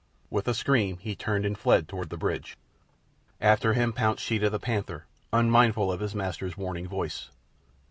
With a scream he turned and fled toward the bridge. After him pounced Sheeta the panther, unmindful of his master's warning voice.